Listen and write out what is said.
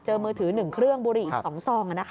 เจอมือถือ๑เครื่องบุรีอีก๒ส่อง